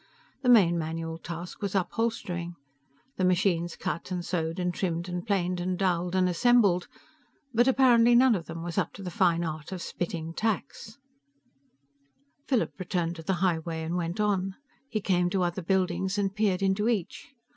The main manual task was upholstering. The machines cut and sewed and trimmed and planed and doweled and assembled, but apparently none of them was up to the fine art of spitting tacks. Philip returned to the highway and went on. He came to other buildings and peered into each.